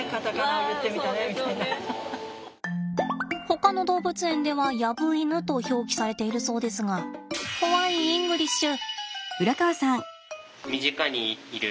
ほかの動物園ではヤブイヌと表記されているそうですがホワイイングリッシュ？